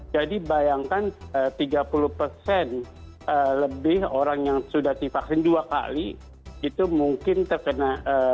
jadi bayangkan tiga puluh lebih orang yang sudah divaksin dua kali itu mungkin terkena sembilan belas